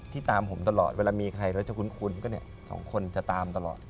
ตามผมตลอดเวลามีใครแล้วจะคุ้นก็เนี่ยสองคนจะตามตลอด